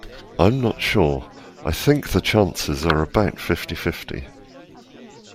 I'm not sure; I think the chances are about fifty-fifty